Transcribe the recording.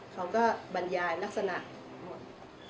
เขาก็บรรยายลักษณะหมด